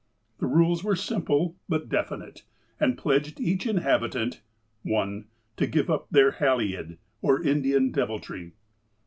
The rules were simple, but definite, and pledged each inhabitant : (1) To give up their ''Hallied," or Indian deviltry.